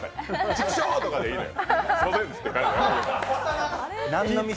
チクショーとかでいいのよ。